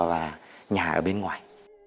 và nhà ở bên ngoài